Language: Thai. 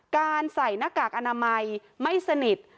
การใส่อนาคาอันมัยไม่สนิท